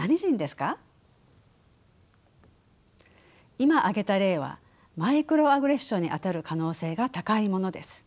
今挙げた例はマイクロアグレッションにあたる可能性が高いものです。